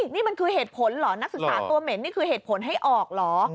นี่มันคือเหตุผลเหรอนักศึกษาตัวเหม็นนี่คือเหตุผลให้ออกเหรอ